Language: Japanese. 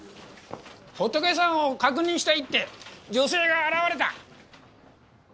ホトケさんを確認したいって女性が現れた。